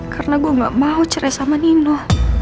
karena gue gak mau cerai sama nino